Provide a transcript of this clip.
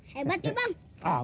hebat ya bang